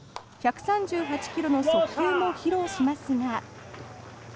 １３８ｋｍの速球も披露しますが。